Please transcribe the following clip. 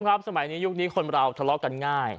สมัยนี้ยุคนี้คนเราทะเลาะกันง่าย